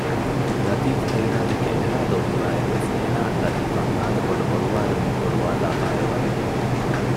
ލަތީފް އޭނާ ދެކެ އެހާ ލޯބިވާއިރުވެސް އޭނާ ލަތީފްއަށް ހާދަބޮޑު އޮޅުވާލުމެއް އޮޅުވާލާފައި އެބަވެ